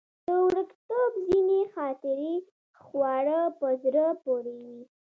د وړکتوب ځينې خاطرې خورا په زړه پورې وي.